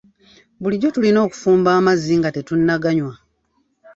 Bulijjo tulina okufumba amazzi nga tetunnaganywa.